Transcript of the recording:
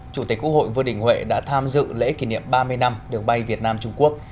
chủ tịch quốc hội vương đình huệ đã tham dự lễ kỷ niệm ba mươi năm đường bay việt nam trung quốc